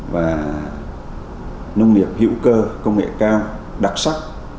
và nông nghiệp hữu cơ công nghệ cao đặc sắc